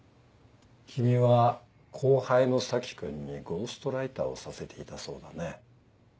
君は後輩の佐木君にゴーストライターをさせていたそうだね。